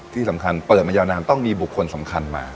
ที่สำคัญเปิดมายาวนานต้องมีบุคคลสำคัญมา